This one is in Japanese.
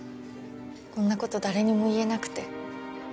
こんなこと誰にも言えなくて。